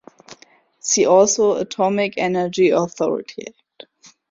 See also Atomic Energy Authority Act.